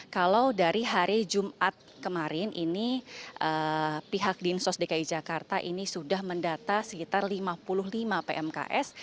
kalau dari hari jumat kemarin ini pihak dinsos dki jakarta ini sudah mendata sekitar lima puluh lima pmks